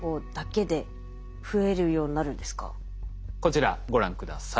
こちらご覧下さい。